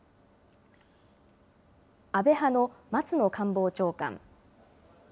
安倍派の松野官房長官。